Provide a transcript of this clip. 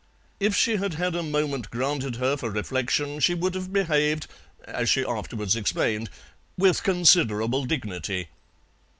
If she had had a moment granted her for reflection she would have behaved, as she afterwards explained, with considerable dignity.